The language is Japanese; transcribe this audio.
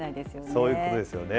そういうことですよね。